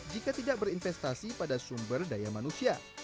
jika tidak berinvestasi pada sumber daya manusia